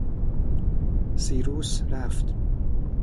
سیروس رفت